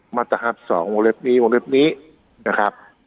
๕๐มาตรฮัภ๒โมเลฟนี้โมเลฟนี้นะครับ